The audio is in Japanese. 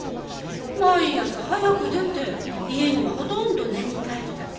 毎朝早く出て家にはほとんど寝に帰るだけ。